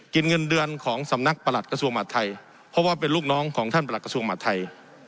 เงินเดือนของสำนักประหลัดกระทรวงมหาดไทยเพราะว่าเป็นลูกน้องของท่านประหลักกระทรวงมหาดไทย